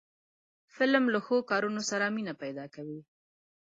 فلم له ښو کارونو سره مینه پیدا کوي